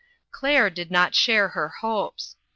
Claire did not share her hopes.